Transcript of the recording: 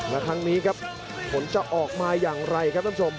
และครั้งนี้ครับผลจะออกมาอย่างไรครับท่านผู้ชม